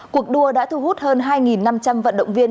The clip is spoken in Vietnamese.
cuộc đua đã thu hút hơn hai năm trăm linh vận động viên